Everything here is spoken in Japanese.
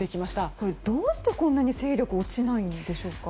どうしてこんなに勢力落ちないんでしょうか？